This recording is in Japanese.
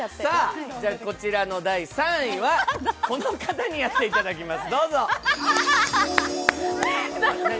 こちらの第３位は、この方にやっていただきます、どうぞ。